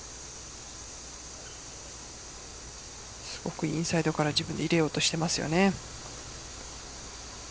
すごくインサイドから入れようとしていますよね。